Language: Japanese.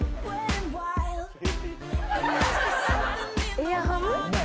エアハム？